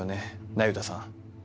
那由他さん。